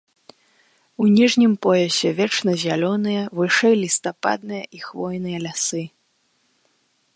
У ніжнім поясе вечназялёныя, вышэй лістападныя і хвойныя лясы.